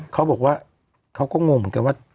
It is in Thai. เขาบอกว่าเขาก็งงเหมือนกันว่า